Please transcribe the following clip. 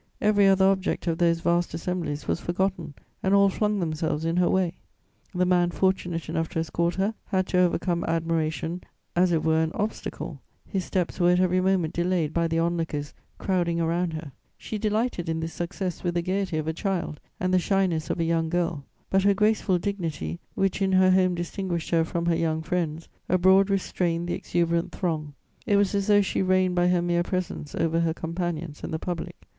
Every other object of those vast assemblies was forgotten, and all flung themselves in her way. The man fortunate enough to escort her had to overcome admiration as it were an obstacle; his steps were at every moment delayed by the onlookers crowding around her; she delighted in this success with the gaiety of a child and the shyness of a young girl; but her graceful dignity, which in her home distinguished her from her young friends, abroad restrained the exuberant throng. It was as though she reigned by her mere presence over her companions and the public.